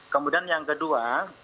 kemudian yang kedua